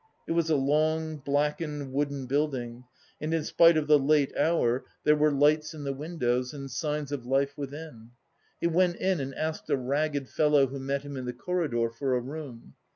It was a long, blackened wooden building, and in spite of the late hour there were lights in the windows and signs of life within. He went in and asked a ragged fellow who met him in the corridor for a room.